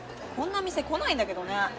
こんな店来ないんだけどね。